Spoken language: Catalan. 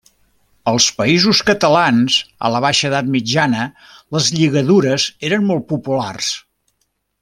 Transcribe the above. Als Països Catalans, a la baixa edat mitjana, les lligadures eren molt populars.